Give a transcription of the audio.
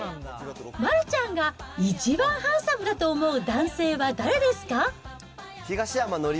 丸ちゃんが一番ハンサムだと思う男性は誰ですか？